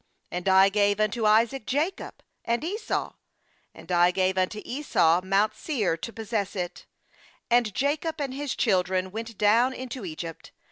4A.nd I gave unto Isaac Jacob and Esau ; and I gave unto Esau mount Seir, to possess it; and Jacob and his children went down into Egypt.